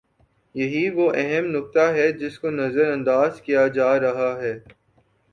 یہی وہ اہم نکتہ ہے جس کو نظر انداز کیا جا رہا ہے۔